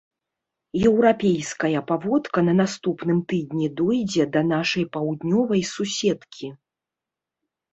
Еўрапейская паводка на наступным тыдні дойдзе да нашай паўднёвай суседкі.